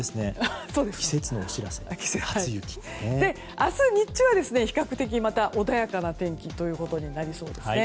明日日中は比較的穏やかな天気となりそうです。